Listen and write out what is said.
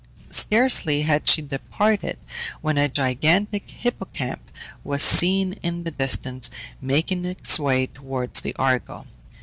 Scarcely had she departed when a gigantic hippocamp was seen in the distance, making its way towards the Argo.